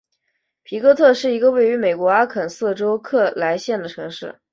皮哥特是一个位于美国阿肯色州克莱县的城市。